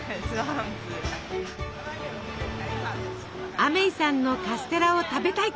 アメイさんのカステラを食べたい。